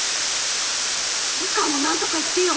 流川も何とか言ってよ！